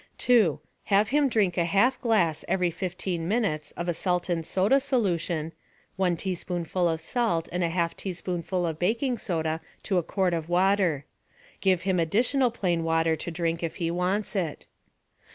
2. Have him drink a half glass every 15 minutes of a salt and soda solution (one teaspoonful of salt and a half teaspoonful of baking soda to a quart of water). Give him additional plain water to drink if he wants it.